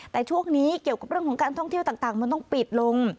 แต่ช่วงนี้เกี่ยวกับเรื่องของการท่องเที่ยวต่างมันต้องปิดลง